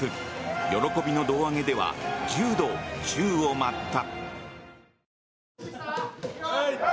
喜びの胴上げでは１０度、宙を舞った！